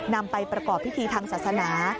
นำไปประกอบพิธีทางศาสนา